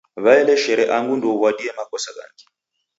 Waeleshere angu ndouw'adie makosa ghangi.